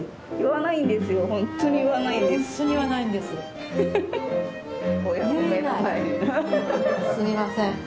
すみません。